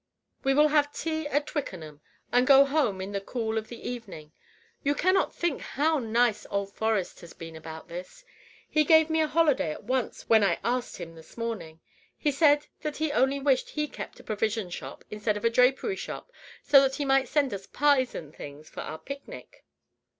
"We will have tea at Twickenham, and go home in the cool of the evening. You cannot think how nice old Forrest has been about this. He gave me a holiday at once when I asked him this morning. He said that he only wished he kept a provision shop instead of a drapery shop, so that he might send us pies and things for our picnic."